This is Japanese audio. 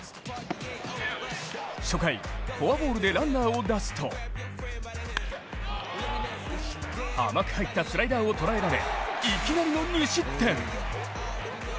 初回、フォアボールでランナーを出すと甘く入ったスライダーを捉えられ、いきなりの２失点。